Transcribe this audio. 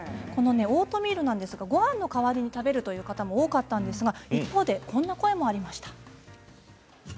オートミールはごはんの代わりに食べるという方も多かったんですが一方でこんな声もありました。